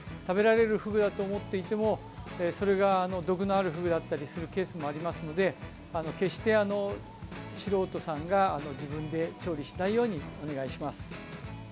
食べられるフグだと思っていてもそれが毒のあるフグだったりするケースもありますので決して素人さんが自分で調理しないようにお願いします。